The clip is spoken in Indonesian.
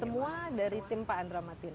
semua dari tim pak andra matin